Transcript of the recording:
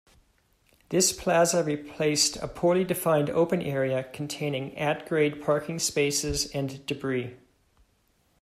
This plaza replaced a poorly defined open area containing at-grade parking spaces and debris.